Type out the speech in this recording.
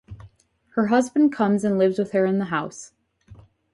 Her husband comes and lives with her in the house.